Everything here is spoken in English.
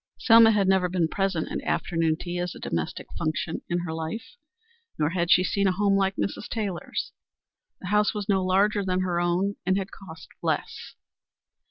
Selma had never been present at afternoon tea as a domestic function in her life. Nor had she seen a home like Mrs. Taylor's. The house was no larger than her own, and had cost less.